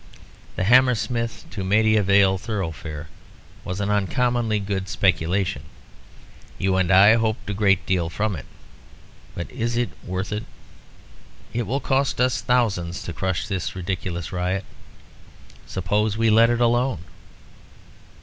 The Hammersmith to Maida Vale thoroughfare was an uncommonly good speculation. You and I hoped a great deal from it. But is it worth it? It will cost us thousands to crush this ridiculous riot. Suppose we let it alone?"